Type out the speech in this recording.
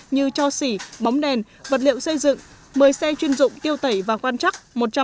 như cho xỉ bóng đèn vật liệu xây dựng một mươi xe chuyên dụng tiêu tẩy và quan chắc